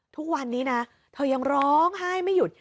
ทุกวันนี้นะเธอยังร้องไห้ไม่หยุด